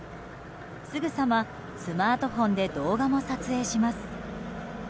すぐさまスマートフォンで動画も撮影します。